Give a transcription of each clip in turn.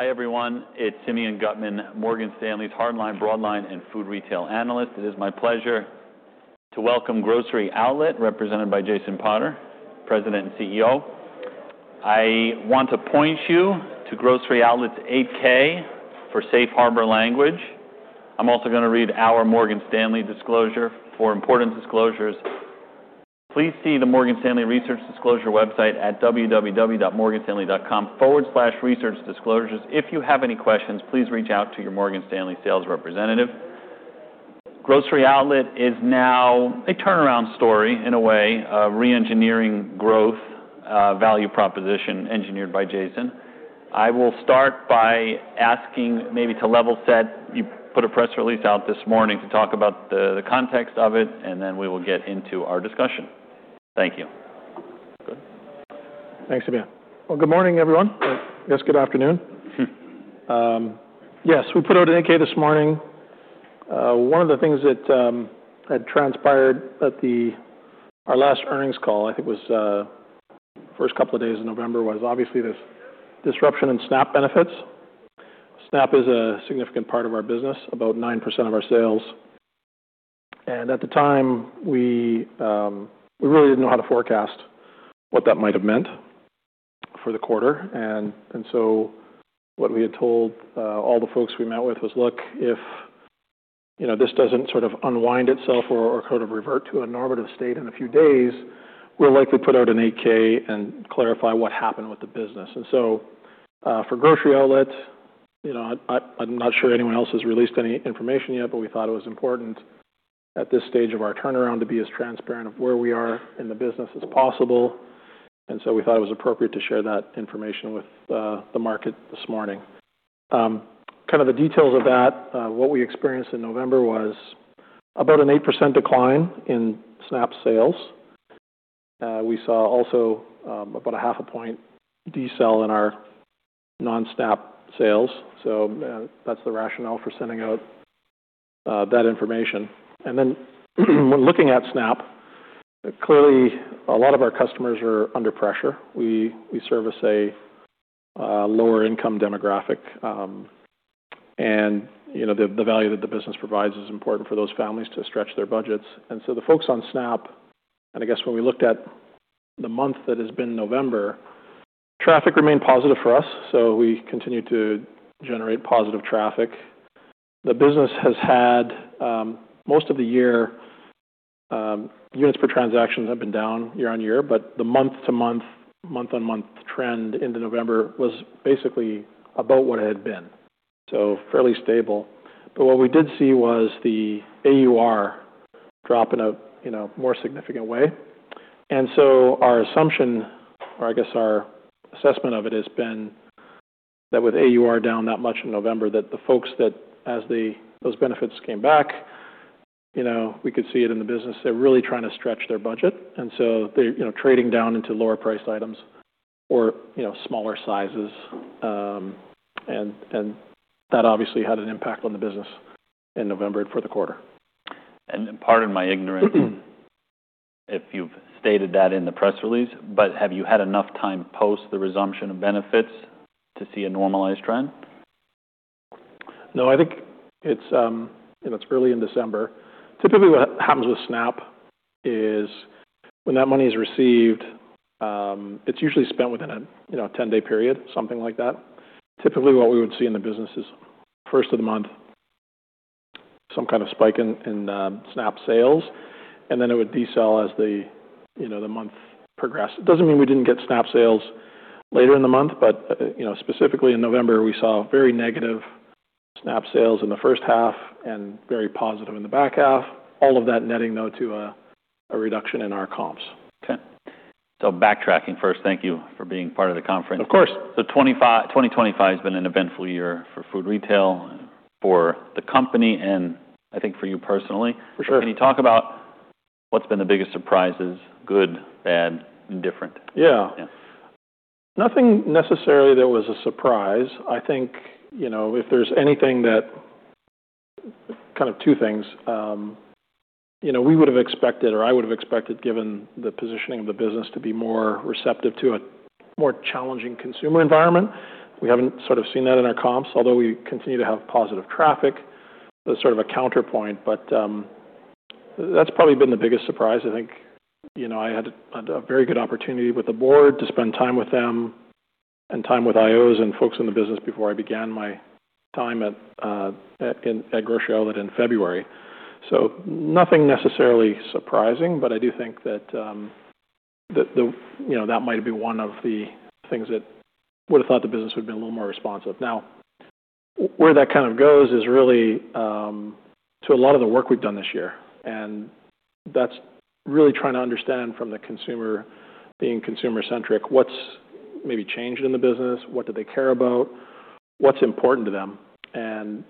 Hi everyone, it's Simeon Gutman, Morgan Stanley's hardline, broadline, and food retail analyst. It is my pleasure to welcome Grocery Outlet, represented by Jason Potter, President and CEO. I want to point you to Grocery Outlet's 8-K for safe harbor language. I'm also going to read our Morgan Stanley disclosure for important disclosures. Please see the Morgan Stanley Research Disclosure website at www.morganstanley.com/researchdisclosures. If you have any questions, please reach out to your Morgan Stanley sales representative. Grocery Outlet is now a turnaround story in a way of re-engineering growth, value proposition engineered by Jason. I will start by asking maybe to level set. You put a press release out this morning to talk about the context of it, and then we will get into our discussion. Thank you. Thanks, Simeon. Well, good morning everyone. Yes, good afternoon. Yes, we put out an 8-K this morning. One of the things that had transpired at our last earnings call, I think it was the first couple of days in November, was obviously this disruption in SNAP benefits. SNAP is a significant part of our business, about 9% of our sales. And at the time, we really didn't know how to forecast what that might have meant for the quarter. And so what we had told all the folks we met with was, "Look, if this doesn't sort of unwind itself or sort of revert to a normative state in a few days, we'll likely put out an 8-K and clarify what happened with the business." And so for Grocery Outlet, I'm not sure anyone else has released any information yet, but we thought it was important at this stage of our turnaround to be as transparent of where we are in the business as possible. And so we thought it was appropriate to share that information with the market this morning. Kind of the details of that, what we experienced in November was about an 8% decline in SNAP sales. We saw also about a half a point decel in our non-SNAP sales. So that's the rationale for sending out that information. When looking at SNAP, clearly a lot of our customers are under pressure. We service a lower-income demographic, and the value that the business provides is important for those families to stretch their budgets. The folks on SNAP, and I guess when we looked at the month that has been November, traffic remained positive for us, so we continued to generate positive traffic. The business has had most of the year, units per transaction have been down year on year, but the month-to-month, month-on-month trend into November was basically about what it had been, so fairly stable. What we did see was the AUR drop in a more significant way. And so our assumption, or I guess our assessment of it, has been that with AUR down that much in November, that the folks that, as those benefits came back, we could see it in the business. They're really trying to stretch their budget. And so they're trading down into lower-priced items or smaller sizes. And that obviously had an impact on the business in November for the quarter. Pardon my ignorance if you've stated that in the press release, but have you had enough time post the resumption of benefits to see a normalized trend? No, I think it's early in December. Typically, what happens with SNAP is when that money is received, it's usually spent within a 10-day period, something like that. Typically, what we would see in the business is first of the month, some kind of spike in SNAP sales, and then it would decel as the month progressed. It doesn't mean we didn't get SNAP sales later in the month, but specifically in November, we saw very negative SNAP sales in the first half and very positive in the back half. All of that netting, though, to a reduction in our comps. Okay. So backtracking first, thank you for being part of the conference. Of course. 2025 has been an eventful year for food retail, for the company, and I think for you personally. For sure. Can you talk about what's been the biggest surprises, good, bad, indifferent? Yeah. Nothing necessarily that was a surprise. I think if there's anything that kind of two things, we would have expected, or I would have expected, given the positioning of the business, to be more receptive to a more challenging consumer environment. We haven't sort of seen that in our comps, although we continue to have positive traffic. That's sort of a counterpoint, but that's probably been the biggest surprise. I think I had a very good opportunity with the board to spend time with them and time with IOs and folks in the business before I began my time at Grocery Outlet in February. So nothing necessarily surprising, but I do think that that might have been one of the things that would have thought the business would have been a little more responsive. Now, where that kind of goes is really to a lot of the work we've done this year, and that's really trying to understand from the consumer, being consumer-centric, what's maybe changed in the business, what do they care about, what's important to them, and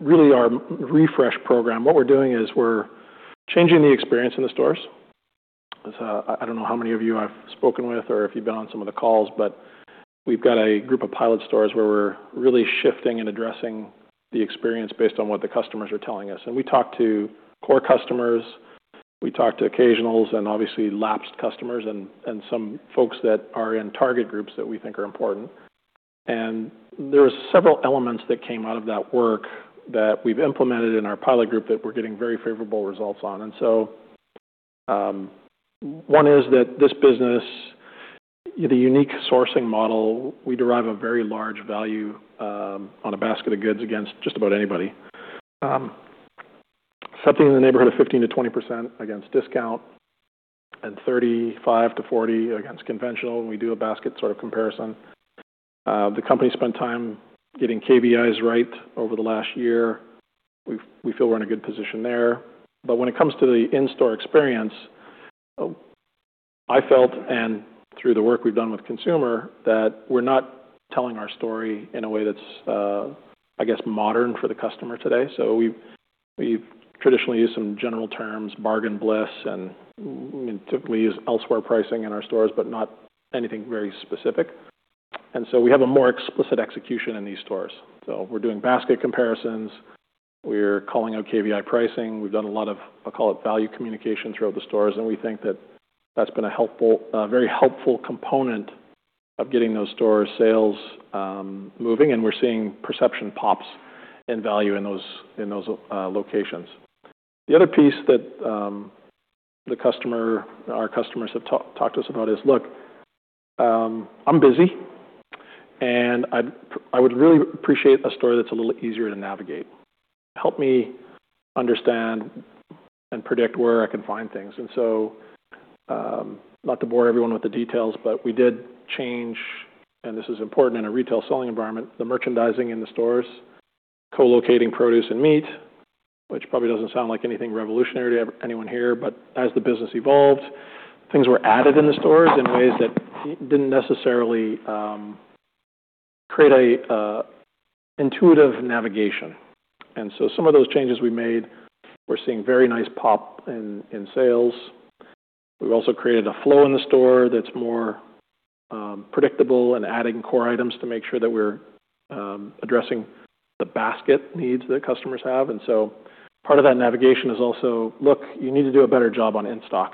really, our Refresh program, what we're doing is we're changing the experience in the stores. I don't know how many of you I've spoken with or if you've been on some of the calls, but we've got a group of pilot stores where we're really shifting and addressing the experience based on what the customers are telling us, and we talk to core customers, we talk to occasionals and obviously lapsed customers and some folks that are in target groups that we think are important. And there were several elements that came out of that work that we've implemented in our pilot group that we're getting very favorable results on. And so one is that this business, the unique sourcing model, we derive a very large value on a basket of goods against just about anybody. Something in the neighborhood of 15%-20% against discount and 35%-40% against conventional. We do a basket sort of comparison. The company spent time getting KVIs right over the last year. We feel we're in a good position there. But when it comes to the in-store experience, I felt and through the work we've done with consumer that we're not telling our story in a way that's, I guess, modern for the customer today. We've traditionally used some general terms, Bargain Bliss, and typically use elsewhere pricing in our stores, but not anything very specific. We have a more explicit execution in these stores. We're doing basket comparisons, we're calling out KVI pricing, we've done a lot of, I'll call it value communication throughout the stores, and we think that that's been a very helpful component of getting those stores' sales moving, and we're seeing perception pops in value in those locations. The other piece that our customers have talked to us about is, "Look, I'm busy, and I would really appreciate a store that's a little easier to navigate. Help me understand and predict where I can find things." And so, not to bore everyone with the details, but we did change, and this is important in a retail selling environment, the merchandising in the stores, co-locating produce and meat, which probably doesn't sound like anything revolutionary to anyone here, but as the business evolved, things were added in the stores in ways that didn't necessarily create an intuitive navigation. And so, some of those changes we made. We're seeing very nice pop in sales. We've also created a flow in the store that's more predictable and adding core items to make sure that we're addressing the basket needs that customers have. And so, part of that navigation is also, "Look, you need to do a better job on in-stock.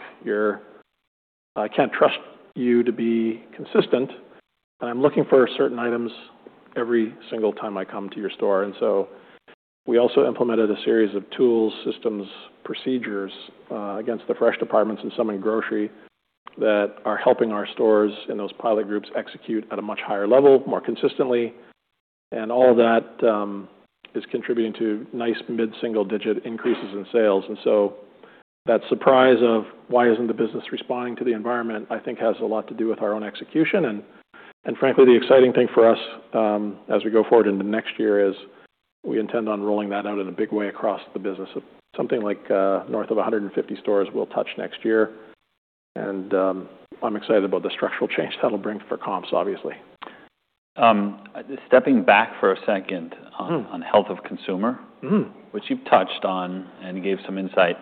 I can't trust you to be consistent, and I'm looking for certain items every single time I come to your store." And so we also implemented a series of tools, systems, procedures against the fresh departments and some in grocery that are helping our stores in those pilot groups execute at a much higher level, more consistently. And all of that is contributing to nice mid-single-digit increases in sales. And so that surprise of why isn't the business responding to the environment, I think has a lot to do with our own execution. And frankly, the exciting thing for us as we go forward into next year is we intend on rolling that out in a big way across the business. Something like north of 150 stores we'll touch next year. And I'm excited about the structural change that'll bring for comps, obviously. Stepping back for a second on health of consumer, which you've touched on and gave some insight,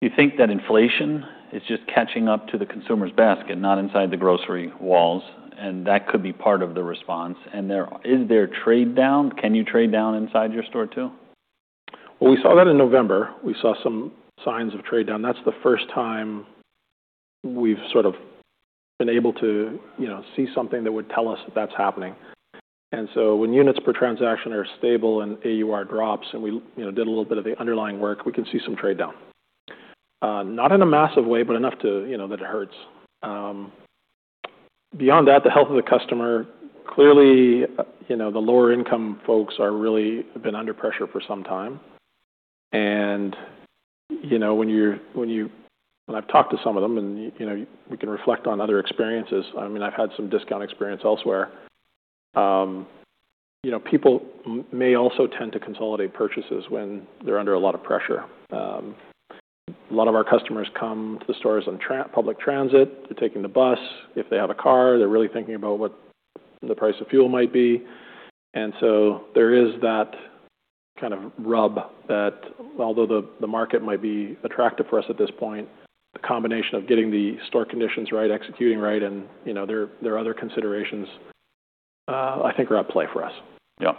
you think that inflation is just catching up to the consumer's basket, not inside the grocery walls, and that could be part of the response, and is there trade down? Can you trade down inside your store too? We saw that in November. We saw some signs of trade down. That's the first time we've sort of been able to see something that would tell us that that's happening. And so when units per transaction are stable and AUR drops and we did a little bit of the underlying work, we can see some trade down. Not in a massive way, but enough that it hurts. Beyond that, the health of the customer, clearly the lower-income folks have been under pressure for some time. And when I've talked to some of them and we can reflect on other experiences, I mean, I've had some discount experience elsewhere. People may also tend to consolidate purchases when they're under a lot of pressure. A lot of our customers come to the stores on public transit. They're taking the bus. If they have a car, they're really thinking about what the price of fuel might be. And so there is that kind of rub that although the market might be attractive for us at this point, the combination of getting the store conditions right, executing right, and there are other considerations, I think, are at play for us. Yeah.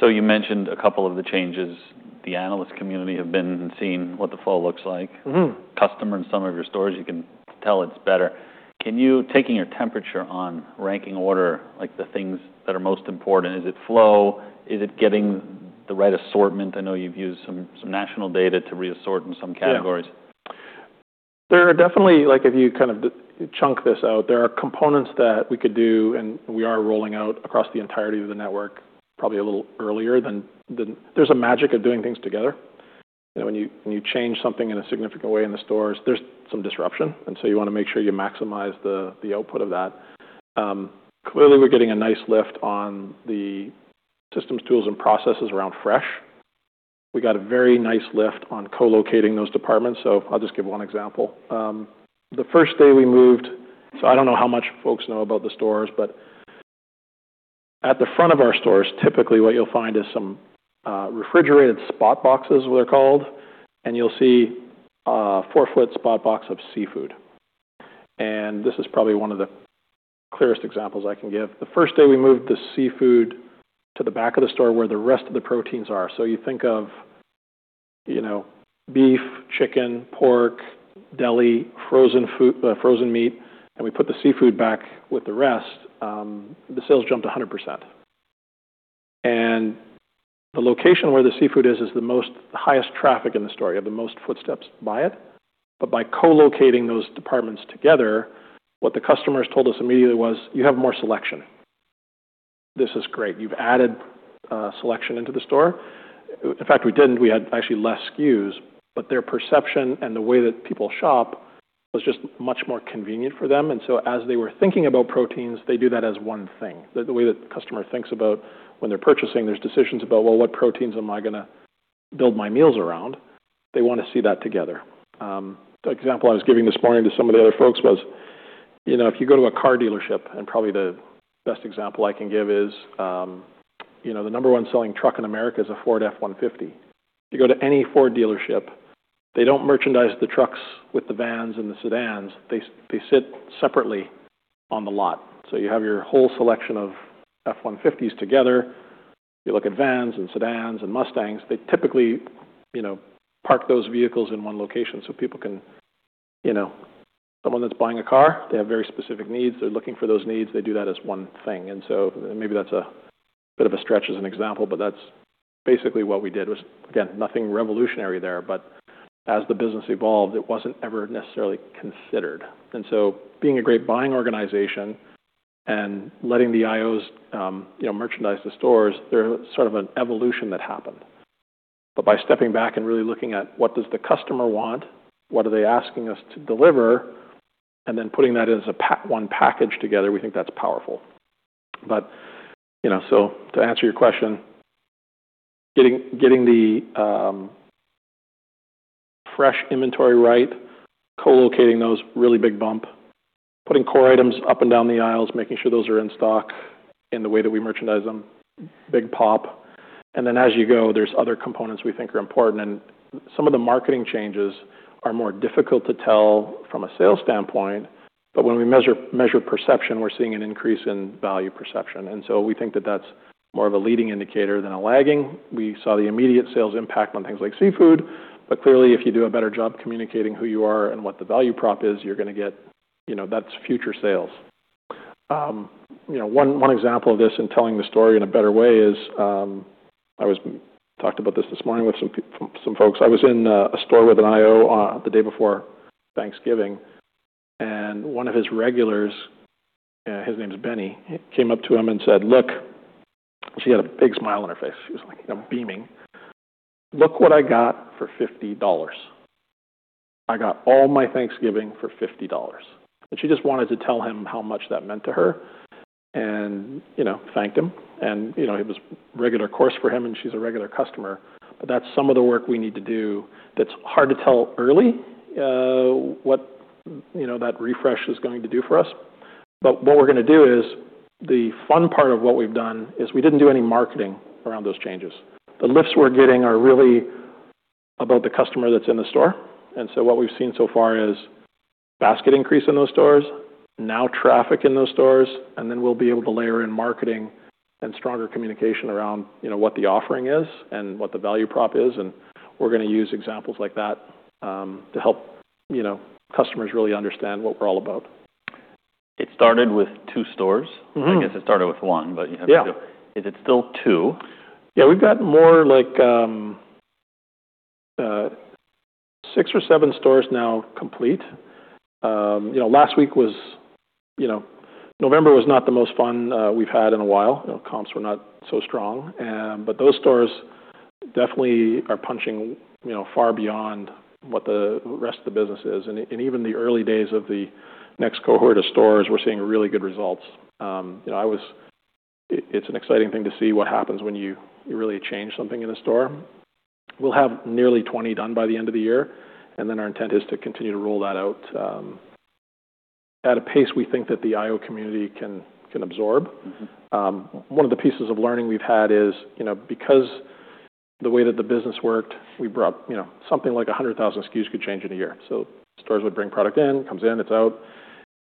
So you mentioned a couple of the changes. The analyst community have been seeing what the fall looks like. Customers in some of your stores, you can tell it's better. Can you, taking your temperature on ranking order, like the things that are most important, is it flow? Is it getting the right assortment? I know you've used some national data to reassort in some categories. There are definitely, like if you kind of chunk this out, there are components that we could do, and we are rolling out across the entirety of the network probably a little earlier than there's a magic of doing things together. When you change something in a significant way in the stores, there's some disruption, and so you want to make sure you maximize the output of that. Clearly, we're getting a nice lift on the systems, tools, and processes around fresh. We got a very nice lift on co-locating those departments, so I'll just give one example. The first day we moved, so I don't know how much folks know about the stores, but at the front of our stores, typically what you'll find is some refrigerated spot boxes, what they're called, and you'll see a four-foot spot box of seafood. And this is probably one of the clearest examples I can give. The first day we moved the seafood to the back of the store where the rest of the proteins are. So you think of beef, chicken, pork, deli, frozen meat, and we put the seafood back with the rest, the sales jumped 100%. And the location where the seafood is is the highest traffic in the store, one of the most footsteps by it. But by co-locating those departments together, what the customers told us immediately was, "You have more selection. This is great. You've added selection into the store." In fact, we didn't. We had actually less SKUs, but their perception and the way that people shop was just much more convenient for them. And so as they were thinking about proteins, they do that as one thing. The way that the customer thinks about when they're purchasing, there's decisions about, "Well, what proteins am I going to build my meals around?" They want to see that together. The example I was giving this morning to some of the other folks was, if you go to a car dealership, and probably the best example I can give is the number one selling truck in America is a Ford F-150. If you go to any Ford dealership, they don't merchandise the trucks with the vans and the sedans. They sit separately on the lot. So you have your whole selection of F-150s together. You look at vans and sedans and Mustangs. They typically park those vehicles in one location so people can. Someone that's buying a car, they have very specific needs. They're looking for those needs. They do that as one thing. And so maybe that's a bit of a stretch as an example, but that's basically what we did. Again, nothing revolutionary there, but as the business evolved, it wasn't ever necessarily considered. And so being a great buying organization and letting the IOs merchandise the stores, there was sort of an evolution that happened. But by stepping back and really looking at what does the customer want, what are they asking us to deliver, and then putting that as one package together, we think that's powerful. But so to answer your question, getting the fresh inventory right, co-locating those really big bump, putting core items up and down the aisles, making sure those are in stock in the way that we merchandise them, big pop. And then as you go, there's other components we think are important. Some of the marketing changes are more difficult to tell from a sales standpoint, but when we measure perception, we're seeing an increase in value perception. And so we think that that's more of a leading indicator than a lagging. We saw the immediate sales impact on things like seafood, but clearly, if you do a better job communicating who you are and what the value prop is, you're going to get that's future sales. One example of this and telling the story in a better way is I talked about this this morning with some folks. I was in a store with an IO the day before Thanksgiving, and one of his regulars, his name's Benny, came up to him and said, "Look," she had a big smile on her face. She was beaming. "Look what I got for $50. I got all my Thanksgiving for $50." And she just wanted to tell him how much that meant to her and thanked him. And it was regular course for him, and she's a regular customer. But that's some of the work we need to do. That's hard to tell early what that refresh is going to do for us. But what we're going to do is the fun part of what we've done is we didn't do any marketing around those changes. The lifts we're getting are really about the customer that's in the store. And so what we've seen so far is basket increase in those stores, now traffic in those stores, and then we'll be able to layer in marketing and stronger communication around what the offering is and what the value prop is. We're going to use examples like that to help customers really understand what we're all about. It started with two stores. I guess it started with one, but you have to go. Is it still two? Yeah. We've got more like six or seven stores now complete. Last week, November was not the most fun we've had in a while. Comps were not so strong, but those stores definitely are punching far beyond what the rest of the business is, and even the early days of the next cohort of stores, we're seeing really good results. It's an exciting thing to see what happens when you really change something in a store. We'll have nearly 20 done by the end of the year, and then our intent is to continue to roll that out at a pace we think that the IO community can absorb. One of the pieces of learning we've had is because the way that the business worked, we brought something like 100,000 SKUs could change in a year. So, stores would bring product in, comes in, it's out,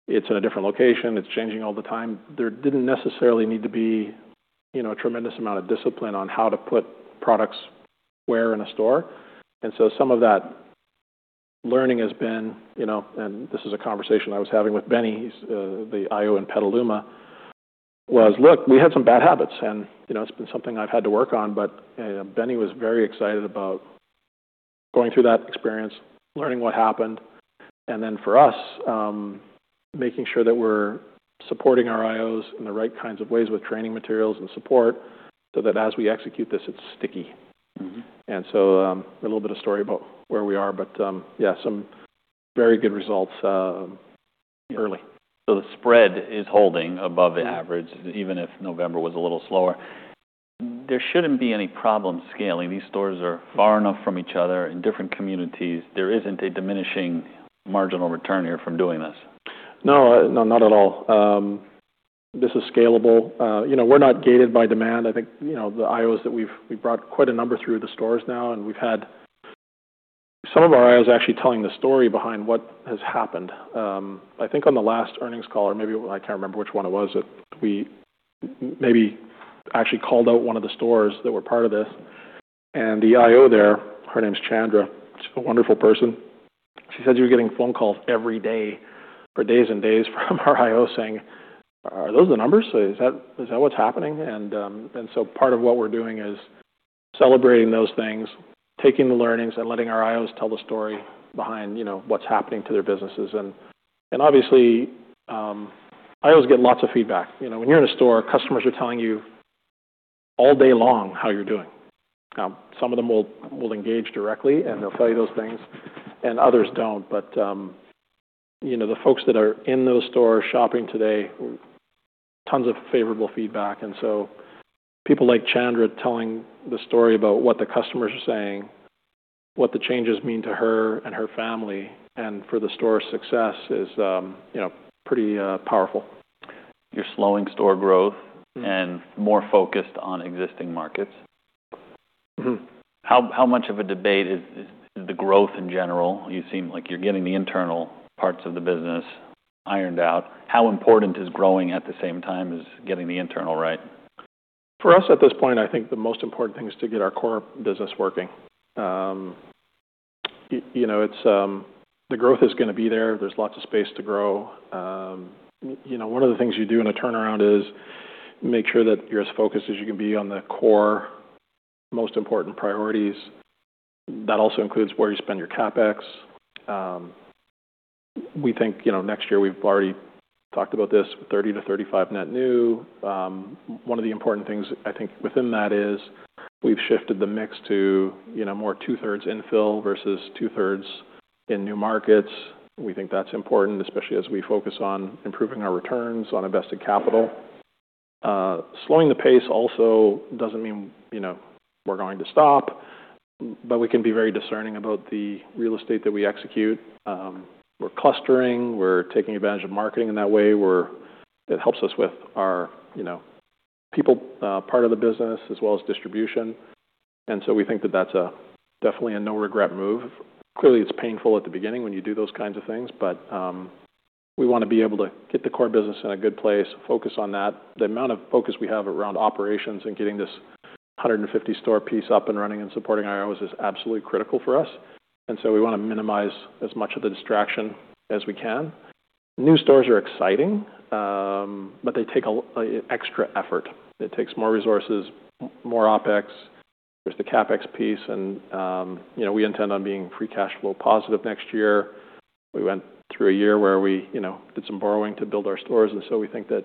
it's in a different location, it's changing all the time. There didn't necessarily need to be a tremendous amount of discipline on how to put products where in a store. And so, some of that learning has been, and this is a conversation I was having with Benny, the IO in Petaluma, was: "Look, we had some bad habits, and it's been something I've had to work on." But Benny was very excited about going through that experience, learning what happened, and then for us, making sure that we're supporting our IOs in the right kinds of ways with training materials and support so that as we execute this, it's sticky. And so, a little bit of story about where we are, but yeah, some very good results early. The spread is holding above average, even if November was a little slower. There shouldn't be any problem scaling. These stores are far enough from each other in different communities. There isn't a diminishing marginal return here from doing this. No, not at all. This is scalable. We're not gated by demand. I think the IOs that we've brought quite a number through the stores now, and we've had some of our IOs actually telling the story behind what has happened. I think on the last earnings call, or maybe I can't remember which one it was, that we maybe actually called out one of the stores that were part of this. And the IO there, her name's Chandra, she's a wonderful person. She says you were getting phone calls every day for days and days from our IO saying, "Are those the numbers? Is that what's happening?" And so part of what we're doing is celebrating those things, taking the learnings, and letting our IOs tell the story behind what's happening to their businesses. And obviously, IOs get lots of feedback. When you're in a store, customers are telling you all day long how you're doing. Now, some of them will engage directly, and they'll tell you those things, and others don't. But the folks that are in those stores shopping today, tons of favorable feedback. And so people like Chandra telling the story about what the customers are saying, what the changes mean to her and her family and for the store's success is pretty powerful. You're slowing store growth and more focused on existing markets. How much of a debate is the growth in general? You seem like you're getting the internal parts of the business ironed out. How important is growing at the same time as getting the internal right? For us at this point, I think the most important thing is to get our core business working. The growth is going to be there. There's lots of space to grow. One of the things you do in a turnaround is make sure that you're as focused as you can be on the core most important priorities. That also includes where you spend your CapEx. We think next year we've already talked about this, 30-35 net new. One of the important things I think within that is we've shifted the mix to more two-thirds infill versus two-thirds in new markets. We think that's important, especially as we focus on improving our returns on invested capital. Slowing the pace also doesn't mean we're going to stop, but we can be very discerning about the real estate that we execute. We're clustering. We're taking advantage of marketing in that way. It helps us with our people part of the business as well as distribution, and so we think that that's definitely a no-regret move. Clearly, it's painful at the beginning when you do those kinds of things, but we want to be able to get the core business in a good place, focus on that. The amount of focus we have around operations and getting this 150-store piece up and running and supporting IOs is absolutely critical for us, and so we want to minimize as much of the distraction as we can. New stores are exciting, but they take extra effort. It takes more resources, more OpEx. There's the CapEx piece, and we intend on being free cash flow positive next year. We went through a year where we did some borrowing to build our stores. And so we think that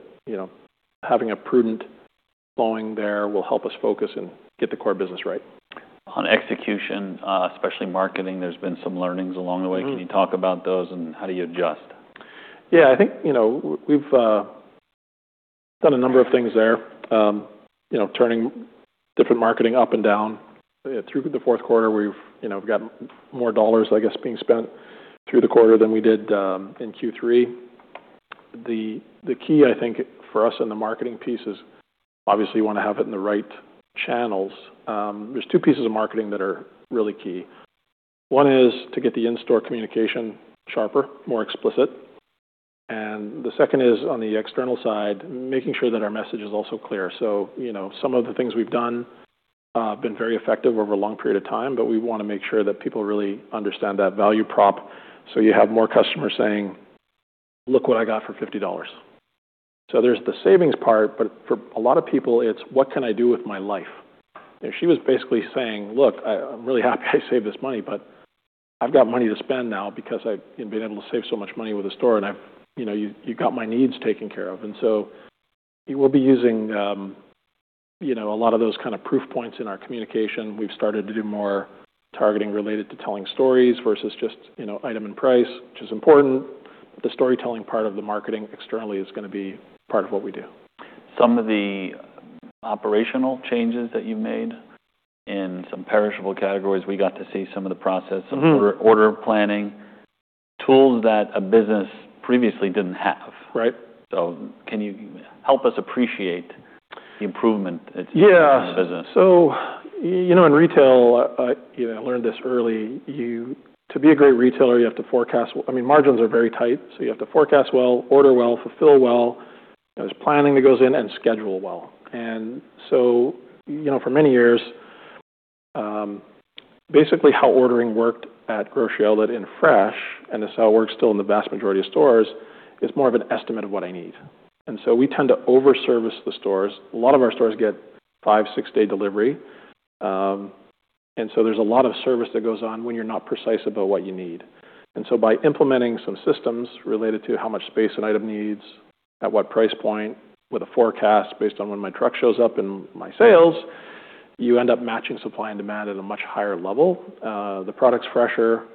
having a prudent slowing there will help us focus and get the core business right. On execution, especially marketing, there's been some learnings along the way. Can you talk about those and how do you adjust? Yeah. I think we've done a number of things there, turning different marketing up and down. Through the fourth quarter, we've got more dollars, I guess, being spent through the quarter than we did in Q3. The key, I think, for us in the marketing piece is obviously you want to have it in the right channels. There's two pieces of marketing that are really key. One is to get the in-store communication sharper, more explicit. And the second is on the external side, making sure that our message is also clear. So some of the things we've done have been very effective over a long period of time, but we want to make sure that people really understand that value prop. You have more customers saying, "Look what I got for $50." There's the savings part, but for a lot of people, it's, "What can I do with my life?" She was basically saying, "Look, I'm really happy I saved this money, but I've got money to spend now because I've been able to save so much money with the store, and you've got my needs taken care of." We'll be using a lot of those kind of proof points in our communication. We've started to do more targeting related to telling stories versus just item and price, which is important. The storytelling part of the marketing externally is going to be part of what we do. Some of the operational changes that you've made in some perishable categories. We got to see some of the process, some order planning, tools that a business previously didn't have. So can you help us appreciate the improvement in this business? Yeah. So in retail, I learned this early. To be a great retailer, you have to forecast. I mean, margins are very tight, so you have to forecast well, order well, fulfill well, there's planning that goes in, and schedule well. And so for many years, basically how ordering worked at Grocery Outlet in Fresh, and this is how it works still in the vast majority of stores, it's more of an estimate of what I need. And so we tend to overservice the stores. A lot of our stores get five, six-day delivery. And so there's a lot of service that goes on when you're not precise about what you need. And so by implementing some systems related to how much space an item needs, at what price point, with a forecast based on when my truck shows up and my sales, you end up matching supply and demand at a much higher level. The product's fresher,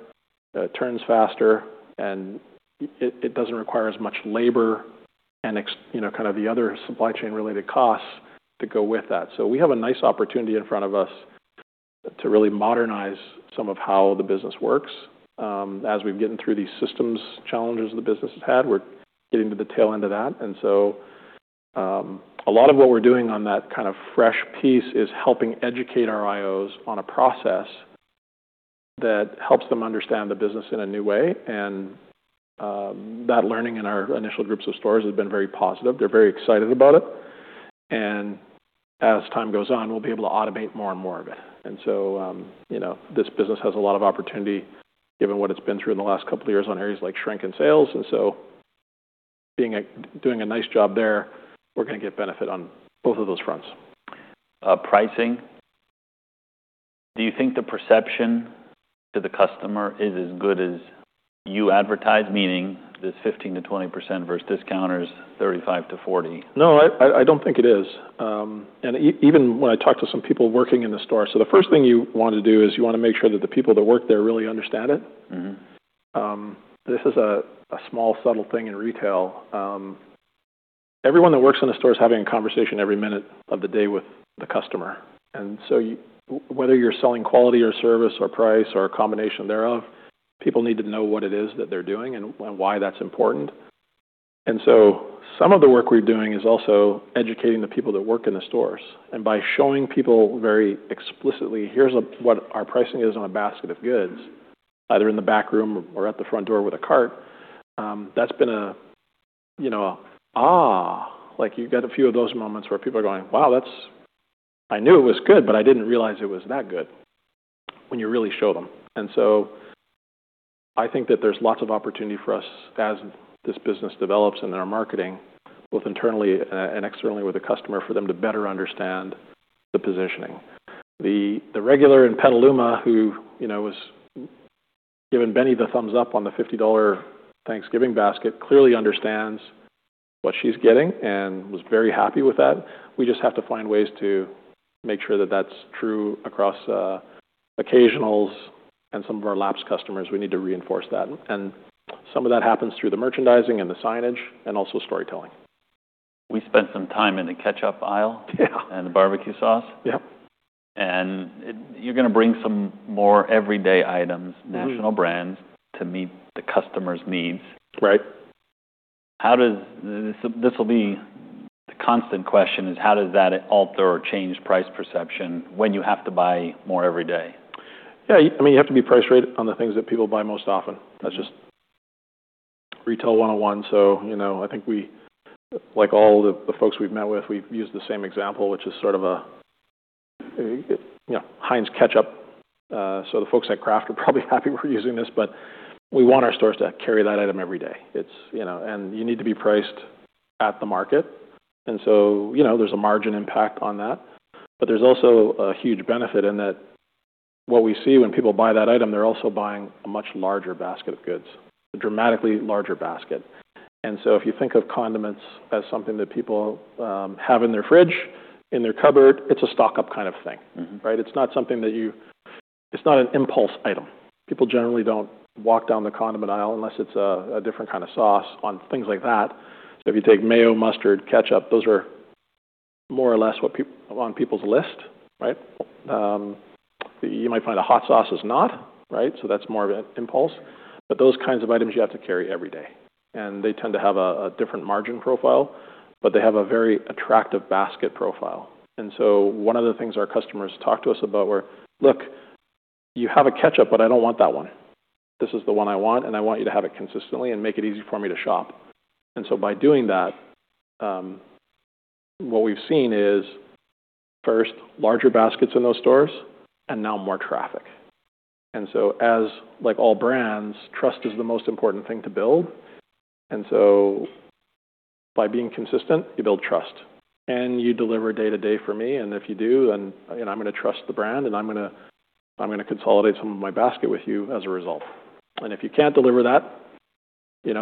it turns faster, and it doesn't require as much labor and kind of the other supply chain-related costs to go with that. So we have a nice opportunity in front of us to really modernize some of how the business works. As we've gotten through these systems challenges the business has had, we're getting to the tail end of that. And so a lot of what we're doing on that kind of fresh piece is helping educate our IOs on a process that helps them understand the business in a new way. That learning in our initial groups of stores has been very positive. They're very excited about it. As time goes on, we'll be able to automate more and more of it. So this business has a lot of opportunity given what it's been through in the last couple of years on areas like shrink and sales. So doing a nice job there, we're going to get benefit on both of those fronts. Pricing. Do you think the perception to the customer is as good as you advertise, meaning this 15%-20% versus discounters 35%-40%? No, I don't think it is. And even when I talk to some people working in the store, so the first thing you want to do is you want to make sure that the people that work there really understand it. This is a small, subtle thing in retail. Everyone that works in the store is having a conversation every minute of the day with the customer. And so whether you're selling quality or service or price or a combination thereof, people need to know what it is that they're doing and why that's important. And so some of the work we're doing is also educating the people that work in the stores. And by showing people very explicitly, "Here's what our pricing is on a basket of goods," either in the back room or at the front door with a cart, that's been a. You've got a few of those moments where people are going, "Wow, I knew it was good, but I didn't realize it was that good," when you really show them. And so I think that there's lots of opportunity for us as this business develops in our marketing, both internally and externally with the customer, for them to better understand the positioning. The regular in Petaluma who was giving Benny the thumbs up on the $50 Thanksgiving basket clearly understands what she's getting and was very happy with that. We just have to find ways to make sure that that's true across occasionals and some of our lapsed customers. We need to reinforce that. Some of that happens through the merchandising and the signage and also storytelling. We spent some time in the ketchup aisle and the barbecue sauce. And you're going to bring some more everyday items, national brands to meet the customer's needs. This will be the constant question: how does that alter or change price perception when you have to buy more every day? Yeah. I mean, you have to be price rated on the things that people buy most often. That's just Retail 101. So I think we, like all the folks we've met with, we've used the same example, which is sort of a Heinz ketchup. So the folks at Kraft are probably happy we're using this, but we want our stores to carry that item every day. And you need to be priced at the market. And so there's a margin impact on that. But there's also a huge benefit in that what we see when people buy that item, they're also buying a much larger basket of goods, a dramatically larger basket. And so if you think of condiments as something that people have in their fridge, in their cupboard, it's a stock-up kind of thing, right? It's not something, it's not an impulse item. People generally don't walk down the condiment aisle unless it's a different kind of sauce on things like that. So if you take mayo, mustard, ketchup, those are more or less on people's list, right? You might find a hot sauce is not, right? So that's more of an impulse. But those kinds of items you have to carry every day. And they tend to have a different margin profile, but they have a very attractive basket profile. And so one of the things our customers talk to us about were, "Look, you have a ketchup, but I don't want that one. This is the one I want, and I want you to have it consistently and make it easy for me to shop." And so by doing that, what we've seen is, first, larger baskets in those stores, and now more traffic. And so as all brands, trust is the most important thing to build. And so by being consistent, you build trust. And you deliver day to day for me. And if you do, then I'm going to trust the brand, and I'm going to consolidate some of my basket with you as a result. And if you can't deliver that,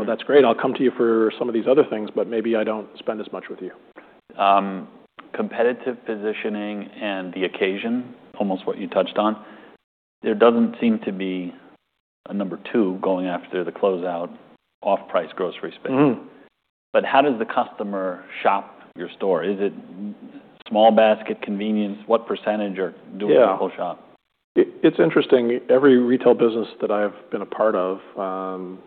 that's great. I'll come to you for some of these other things, but maybe I don't spend as much with you. Competitive positioning and the occasion, almost what you touched on, there doesn't seem to be a number two going after the closeout off-price grocery space. But how does the customer shop your store? Is it small basket convenience? What percentage are doing local shop? Yeah. It's interesting. Every retail business that I've been a part of, and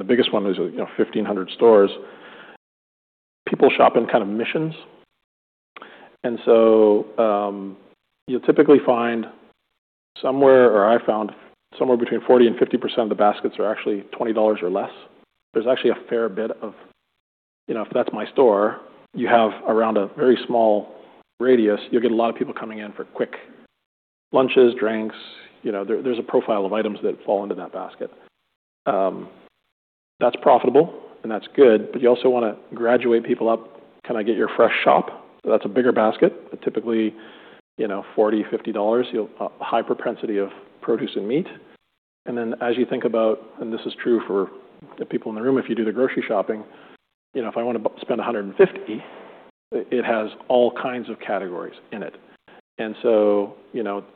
the biggest one is 1,500 stores, people shop in kind of missions. And so you'll typically find somewhere, or I found, somewhere between 40% and 50% of the baskets are actually $20 or less. There's actually a fair bit of, if that's my store, you have around a very small radius, you'll get a lot of people coming in for quick lunches, drinks. There's a profile of items that fall into that basket. That's profitable, and that's good, but you also want to graduate people up, kind of get your fresh shop. That's a bigger basket, typically $40-$50, a high propensity of produce and meat. And then as you think about, and this is true for the people in the room if you do the grocery shopping, if I want to spend $150, it has all kinds of categories in it. And so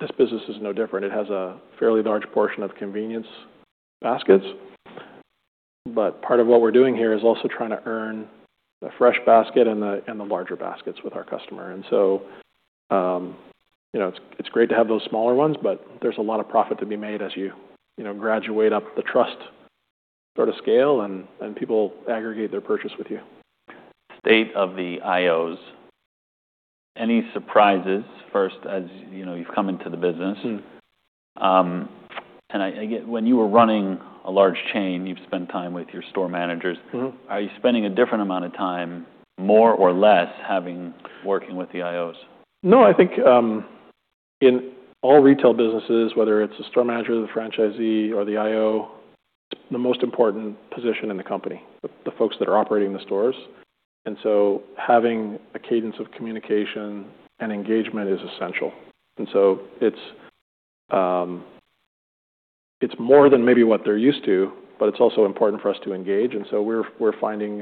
this business is no different. It has a fairly large portion of convenience baskets. But part of what we're doing here is also trying to earn the fresh basket and the larger baskets with our customer. And so it's great to have those smaller ones, but there's a lot of profit to be made as you graduate up the trust sort of scale, and people aggregate their purchase with you. State of the IOs, any surprises? First, as you've come into the business and when you were running a large chain, you've spent time with your store managers. Are you spending a different amount of time, more or less, working with the IOs? No, I think in all retail businesses, whether it's the store manager, the franchisee, or the IO, it's the most important position in the company, the folks that are operating the stores, and so having a cadence of communication and engagement is essential, and so it's more than maybe what they're used to, but it's also important for us to engage, and so we're finding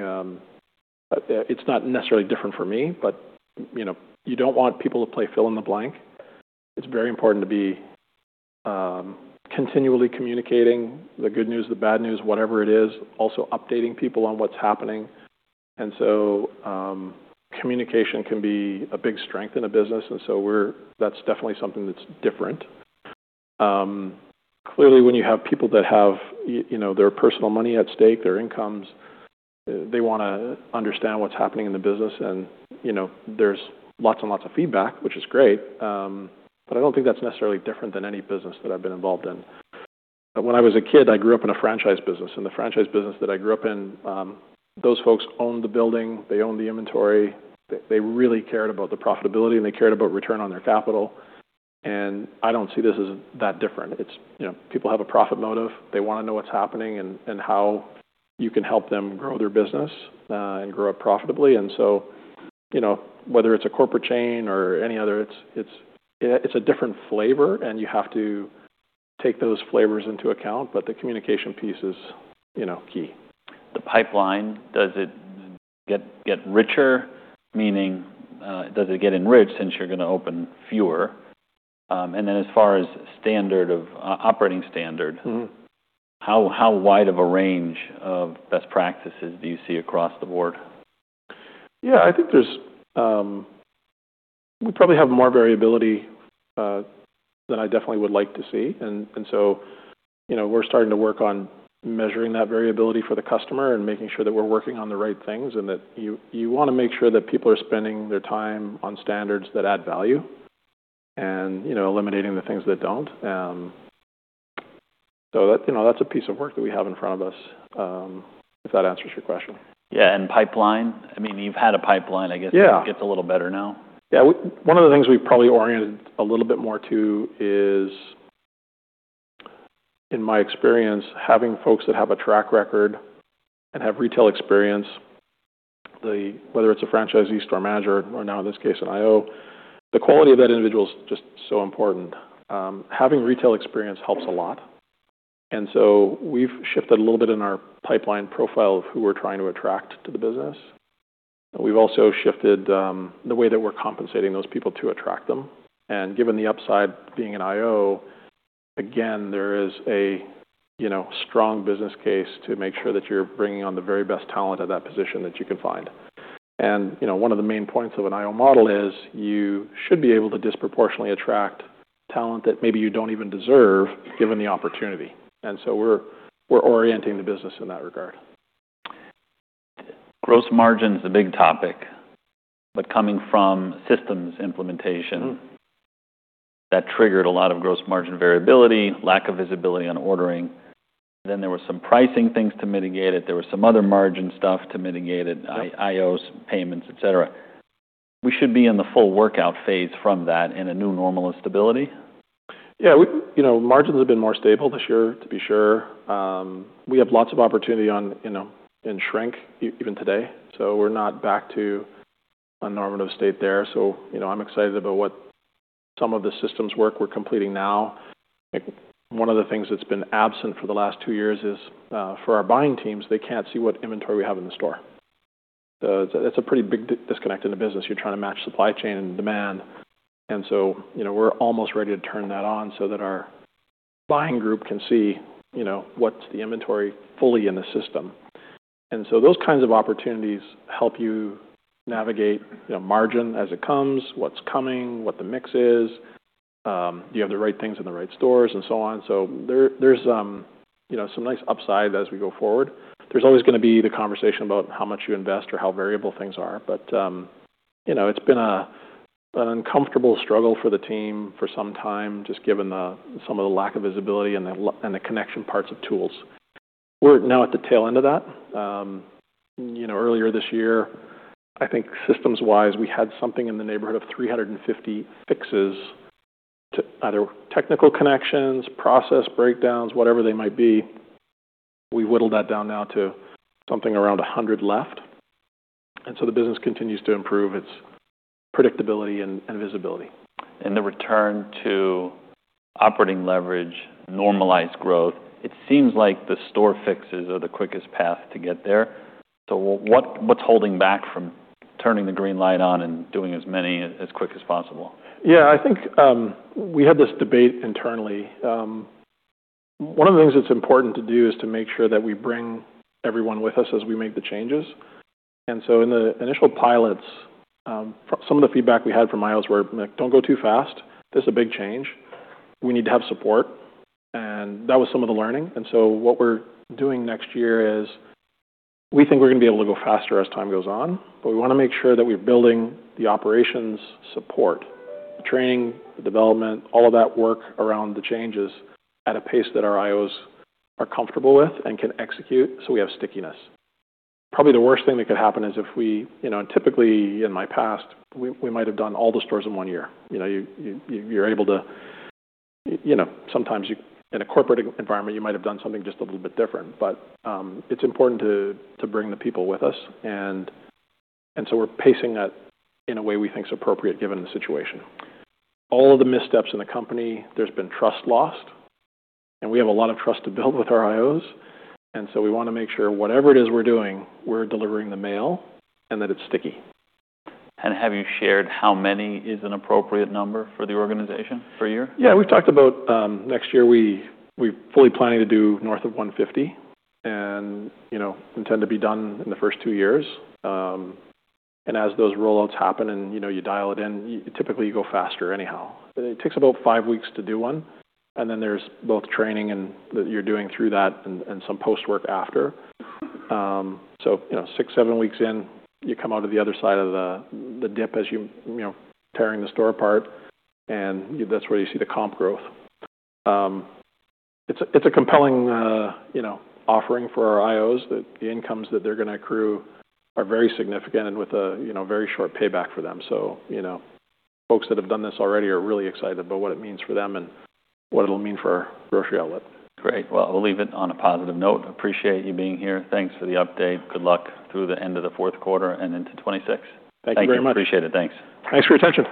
it's not necessarily different for me, but you don't want people to play fill in the blank, it's very important to be continually communicating the good news, the bad news, whatever it is, also updating people on what's happening, and so communication can be a big strength in a business, and so that's definitely something that's different. Clearly, when you have people that have their personal money at stake, their incomes, they want to understand what's happening in the business. There's lots and lots of feedback, which is great. I don't think that's necessarily different than any business that I've been involved in. When I was a kid, I grew up in a franchise business. The franchise business that I grew up in, those folks owned the building. They owned the inventory. They really cared about the profitability, and they cared about return on their capital. I don't see this as that different. People have a profit motive. They want to know what's happening and how you can help them grow their business and grow it profitably. Whether it's a corporate chain or any other, it's a different flavor, and you have to take those flavors into account. The communication piece is key. The pipeline, does it get richer? Meaning, does it get enriched since you're going to open fewer? And then as far as operating standard, how wide of a range of best practices do you see across the board? Yeah. I think we probably have more variability than I definitely would like to see. And so we're starting to work on measuring that variability for the customer and making sure that we're working on the right things and that you want to make sure that people are spending their time on standards that add value and eliminating the things that don't. So that's a piece of work that we have in front of us, if that answers your question? Yeah, and pipeline? I mean, you've had a pipeline. I guess it gets a little better now. Yeah. One of the things we've probably oriented a little bit more to is, in my experience, having folks that have a track record and have retail experience, whether it's a franchisee, store manager, or now in this case an IO, the quality of that individual is just so important. Having retail experience helps a lot. And so we've shifted a little bit in our pipeline profile of who we're trying to attract to the business. We've also shifted the way that we're compensating those people to attract them. And given the upside being an IO, again, there is a strong business case to make sure that you're bringing on the very best talent at that position that you can find. And one of the main points of an IO model is you should be able to disproportionately attract talent that maybe you don't even deserve given the opportunity. We're orienting the business in that regard. Gross margin is a big topic, but coming from systems implementation, that triggered a lot of gross margin variability, lack of visibility on ordering. Then there were some pricing things to mitigate it. There were some other margin stuff to mitigate it, IOs, payments, etc. We should be in the full workout phase from that in a new normal of stability. Yeah. Margins have been more stable this year, to be sure. We have lots of opportunity in shrink even today, so we're not back to a normative state there, so I'm excited about what some of the systems work we're completing now. One of the things that's been absent for the last two years is, for our buying teams, they can't see what inventory we have in the store. So that's a pretty big disconnect in the business. You're trying to match supply chain and demand, and so we're almost ready to turn that on so that our buying group can see what's the inventory fully in the system, and so those kinds of opportunities help you navigate margin as it comes, what's coming, what the mix is, do you have the right things in the right stores, and so on, so there's some nice upside as we go forward. There's always going to be the conversation about how much you invest or how variable things are. But it's been an uncomfortable struggle for the team for some time just given some of the lack of visibility and the connection parts of tools. We're now at the tail end of that. Earlier this year, I think systems-wise, we had something in the neighborhood of 350 fixes to either technical connections, process breakdowns, whatever they might be. We've whittled that down now to something around 100 left. And so the business continues to improve its predictability and visibility. And the return to operating leverage, normalized growth, it seems like the store fixes are the quickest path to get there. So what's holding back from turning the green light on and doing as many as quick as possible? Yeah. I think we had this debate internally. One of the things that's important to do is to make sure that we bring everyone with us as we make the changes. And so in the initial pilots, some of the feedback we had from IOs were, "Don't go too fast. This is a big change. We need to have support." And that was some of the learning. And so what we're doing next year is we think we're going to be able to go faster as time goes on, but we want to make sure that we're building the operations support, the training, the development, all of that work around the changes at a pace that our IOs are comfortable with and can execute so we have stickiness. Probably the worst thing that could happen is if we typically, in my past, we might have done all the stores in one year. You're able to sometimes, in a corporate environment, you might have done something just a little bit different, but it's important to bring the people with us, and so we're pacing that in a way we think is appropriate given the situation. All of the missteps in the company, there's been trust lost, and we have a lot of trust to build with our IOs, and so we want to make sure whatever it is we're doing, we're delivering the mail and that it's sticky. Have you shared how many is an appropriate number for the organization per year? Yeah. We've talked about next year, we're fully planning to do north of 150 and intend to be done in the first two years. And as those rollouts happen and you dial it in, typically you go faster anyhow. It takes about five weeks to do one. And then there's both training that you're doing through that and some post-work after. So six, seven weeks in, you come out of the other side of the dip as you're tearing the store apart. And that's where you see the comp growth. It's a compelling offering for our IOs. The incomes that they're going to accrue are very significant and with a very short payback for them. So folks that have done this already are really excited about what it means for them and what it'll mean for our Grocery Outlet. Great. Well, we'll leave it on a positive note. Appreciate you being here. Thanks for the update. Good luck through the end of the fourth quarter and into 2026. Thank you very much. I appreciate it. Thanks. Thanks for your attention.